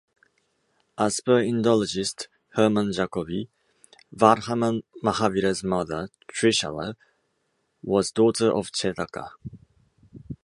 As per Indologist Hermann Jacobi, Vardhaman Mahavira's mother Trishala was daughter of Chetaka.